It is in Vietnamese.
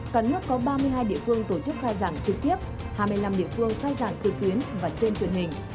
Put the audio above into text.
cả nước có ba mươi hai địa phương tổ chức khai giảng trực tiếp hai mươi năm địa phương khai giảng trực tuyến và trên truyền hình